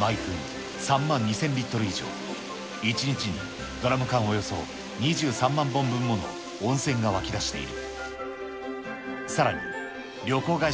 毎分３万２０００リットル以上、１日にドラム缶およそ２３万本分もの温泉が湧き出している。